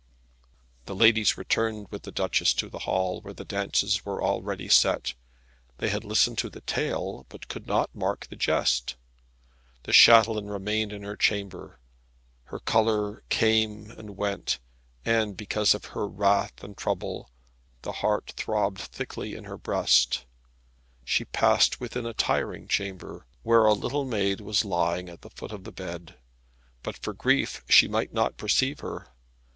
The ladies returned with the Duchess to the hall, where the dances were already set. They had listened to the tale, but could not mark the jest. The chatelaine remained in the chamber. Her colour came and went, and because of her wrath and trouble the heart throbbed thickly in her breast. She passed within a tiring chamber, where a little maiden was lying at the foot of the bed; but for grief she might not perceive her.